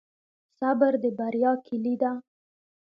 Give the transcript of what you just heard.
صبر د بریا کیلي ده؟